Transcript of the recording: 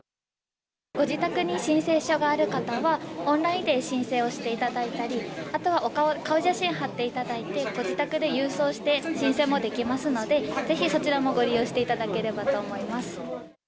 ご自宅に申請書がある方は、オンラインで申請をしていただいたり、あとは顔写真を貼っていただいて、ご自宅で郵送して、申請もできますので、ぜひそちらもご利用していただければと思います。